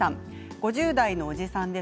５０代のおじさんです。